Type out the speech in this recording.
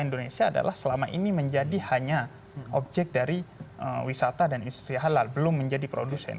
indonesia adalah selama ini menjadi hanya objek dari wisata dan industri halal belum menjadi produsen